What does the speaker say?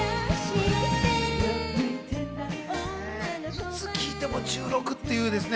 いつ聴いても１６っていう。